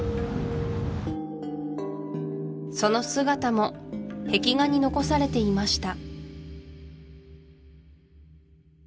その姿も壁画に残されていました